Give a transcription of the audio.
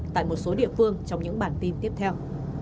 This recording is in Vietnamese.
tại một số địa phương trong những bản tin tiếp theo